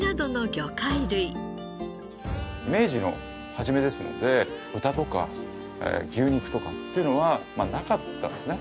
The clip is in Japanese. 明治の初めですので豚とか牛肉とかっていうのはなかったんですね。